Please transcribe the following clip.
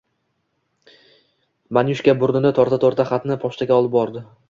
Manyushka burnini torta-torta xatni pochtaga olib bordi.